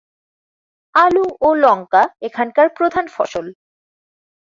আলু ও লঙ্কা এখানকার প্রধান ফসল।